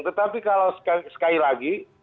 tetapi kalau sekali lagi